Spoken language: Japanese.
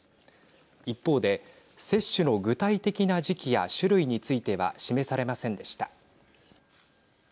一方で、接種の具体的な時期や種類については示されませんでした。